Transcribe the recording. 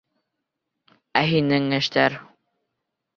Ә һинең эштәр?